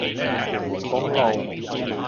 屯門公路